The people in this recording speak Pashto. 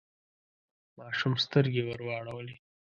ماشوم سترګې ورواړولې.